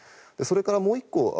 それからもう１個